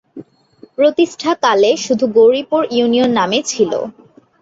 প্রতিষ্ঠাকালে শুধু গৌরীপুর ইউনিয়ন নামে ছিলো।